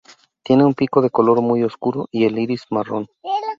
Tiene un pico de color muy oscuro y el iris marrón.